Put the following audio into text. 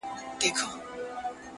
بس و یار ته ستا خواږه کاته درمان سي،